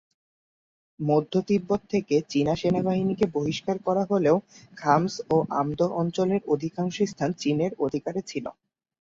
মধ্য তিব্বত থেকে চীনা সেনাবাহিনীকে বহিষ্কার করা হলেও খাম্স ও আমদো অঞ্চলের অধিকাংশ স্থান চীনের অধিকারে ছিল।